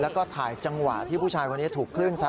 แล้วก็ถ่ายจังหวะที่ผู้ชายคนนี้ถูกคลื่นซัด